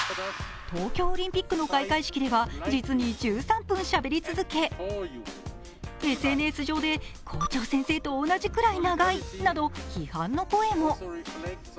東京オリンピックの開会式では実に１３分しゃべり続け、ＳＮＳ上で校長先生と同じくらい長いと批判の声も。